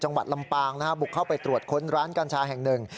จังหวัดลำปางนะฮะบุกเข้าไปตรวจค้นร้านกัญชาแห่งหนึ่ง